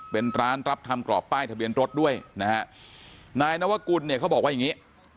เป็นร้านรับทำกรอบป้ายทะเบียนรถด้วยนะฮะนายนวกุลเนี่ยเขาบอกว่าอย่างงี้